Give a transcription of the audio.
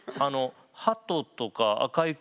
「ハトとか赤い車」